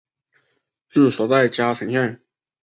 治所在嘉诚县。